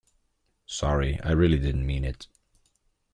Sorry, I really didn't mean it.